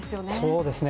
そうですね。